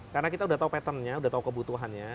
karena kita sudah tahu pattern nya sudah tahu kebutuhannya